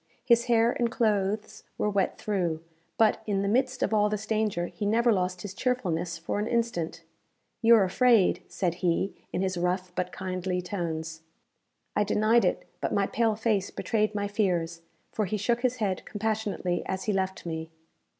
His hair and clothes were wet through; but, in the midst of all this danger, he never lost his cheerfulness for an instant. "You're afraid," said he, in his rough but kindly tones. I denied it; but my pale face betrayed my fears, for he shook his head compassionately as he left me.